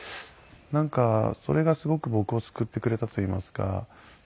なんかそれがすごく僕を救ってくれたといいますか。